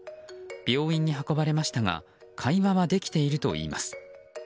病院に運ばれましたが会話はできているといいます。